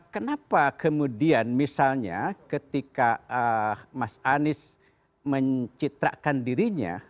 kenapa kemudian misalnya ketika mas anies mencitrakan dirinya